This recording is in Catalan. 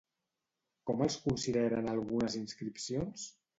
Com els consideren algunes inscripcions?